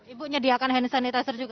ibu nyediakan hand sanitizer juga